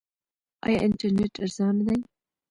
آیا انټرنیټ ارزانه دی؟